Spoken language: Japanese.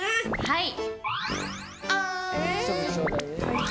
はい。